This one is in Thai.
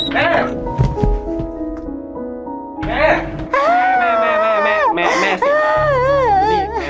ทำไมไม่มีใครรักฉันเลย